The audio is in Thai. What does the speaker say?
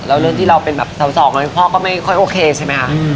แล้วเรื่องที่เราเป็นแบบสาวสองพ่อก็ไม่ค่อยโอเคใช่ไหมคะ